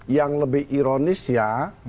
yang lebih ironis ya